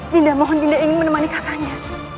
dinda mohon dinda ingin menemani kakanda